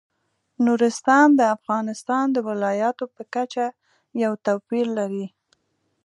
نورستان د افغانستان د ولایاتو په کچه یو توپیر لري.